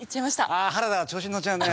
ああ原田が調子のっちゃうね。